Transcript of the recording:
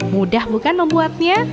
mudah bukan membuatnya